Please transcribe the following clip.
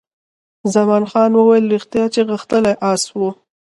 خان زمان وویل، ریښتیا چې غښتلی اس وو.